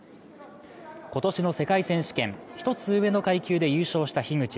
今年の世界選手権、１つ上の階級で優勝した樋口。